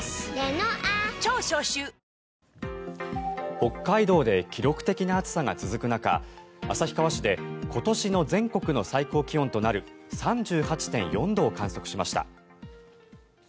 北海道で記録的な暑さが続く中旭川市で今年の全国の最高気温となる３８．４度を観測しました。